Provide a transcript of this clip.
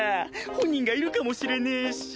本人がいるかもしれねえし。